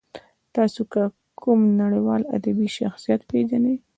تاسې که کوم نړیوال ادبي شخصیت پېژنئ.